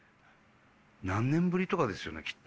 何年ぶりとかですよねきっと。